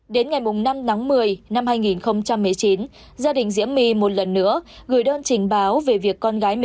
đến ngày năm một mươi hai nghìn một mươi chín gia đình diễm my một lần nữa gửi đơn trình báo về việc tìm võ thị diễm my